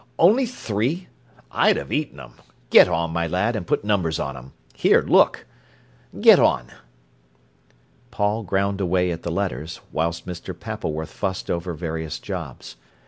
Only three! I'd 'a eaten 'em. Get on, my lad, an' put numbers on 'em. Here, look! Get on!" Paul ground away at the letters, whilst Mr. Pappleworth fussed over various jobs.